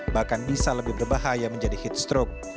bahkan bisa lebih berbahaya menjadi heat stroke